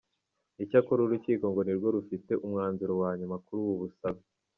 Icyakora urukiko ngo nirwo rufite umwanzuro wa nyuma kuri ubu busabe.